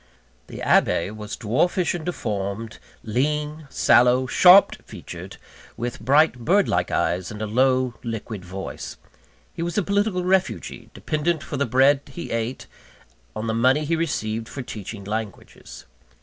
The Abbe was dwarfish and deformed, lean, sallow, sharp featured, with bright bird like eyes, and a low, liquid voice. He was a political refugee, dependent for the bread he ate, on the money he received for teaching languages.